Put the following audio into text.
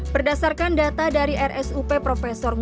berdasarkan data dari rsup prof